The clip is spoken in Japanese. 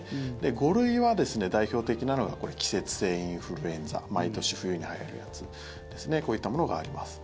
５類は、代表的なのが季節性インフルエンザ毎年冬にはやるやつですねこういったものがあります。